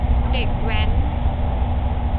เด็กแว้น